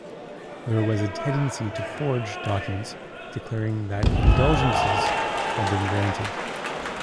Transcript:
There was a tendency to forge documents declaring that indulgences had been granted.